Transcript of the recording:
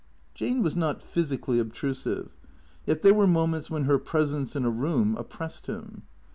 Jane was not physically obtrusive, yet there were moments when her presence in a room oppressed him.